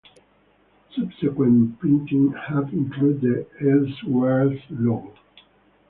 Subsequent printings have included the "Elseworlds" logo.